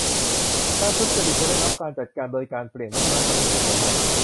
การทุจริตจะได้รับการจัดการโดยการเปลี่ยนวัฒนธรรมที่ส่งเสริมมัน